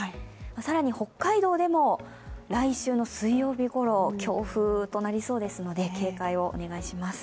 更に北海道でも、来週の水曜日ごろ強風となりそうですので、警戒をお願いします。